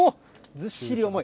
ずっしり重い。